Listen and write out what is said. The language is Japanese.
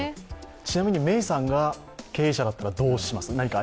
ちなみにメイさんが経営者だったら、どうします？